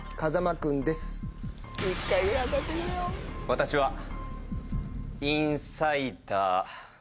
私はインサイダー。